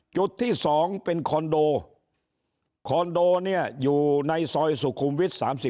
จุดที่สองเป็นคอนโดคอนโดอยู่ในซอยสุขุมวิท๓๙